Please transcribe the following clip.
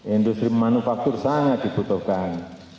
industri manufaktur sangat dibutuhkan